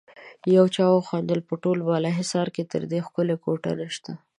يو چا وخندل: په ټول بالاحصار کې تر دې ښکلی کوټه نشته.